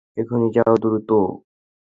এক্ষুনি যাও, দ্রুত।